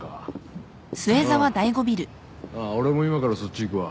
あっ俺も今からそっち行くわ。